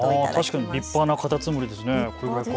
確かに立派なカタツムリですね。